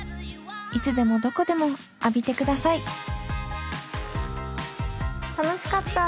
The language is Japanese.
いつでもどこでも浴びてください楽しかった。